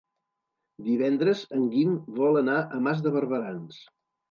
Divendres en Guim vol anar a Mas de Barberans.